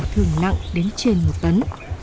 thường nặng đến trên một tấn